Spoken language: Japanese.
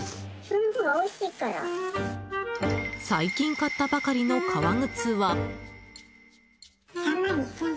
最近買ったばかりの革靴は。